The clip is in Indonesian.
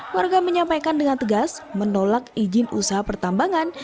warga menyampaikan dengan tegas menolak izin usaha pertambangan